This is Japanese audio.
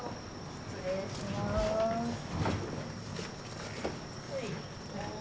失礼します。